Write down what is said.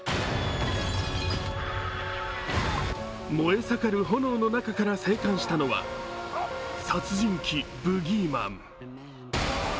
燃え盛る炎の中から生還したのは殺人鬼ブギーマン。